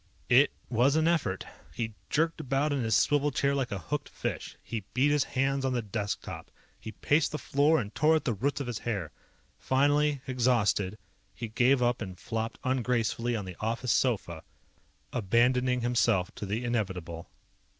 It was an effort. He jerked about in his swivel chair like a hooked fish. He beat his hands on the desk top. He paced the floor and tore at the roots of his hair. Finally, exhausted, he gave up and flopped ungracefully on the office sofa, abandoning himself to the inevitable.